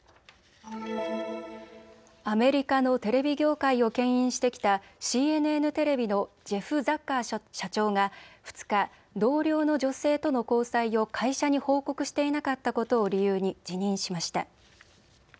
アメリカのテレビ業界をけん引してきたＣＮＮテレビのジェフ・ザッカー社長が２日、同僚の女性と交際を会社に報告していなかったことを理由に辞任しました。